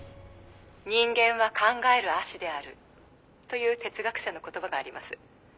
「“人間は考える葦である”という哲学者の言葉があります」